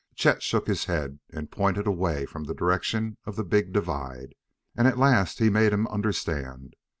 Chet shook his head and pointed away from the direction of the big divide, and at last he made him understand.